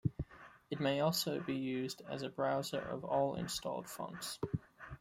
It may also be used as a browser of all installed fonts.